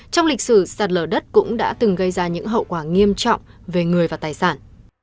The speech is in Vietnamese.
trong lịch sử sạt lở đất cũng đã từng gây ra những hậu quả nghiêm trọng về người và tài sản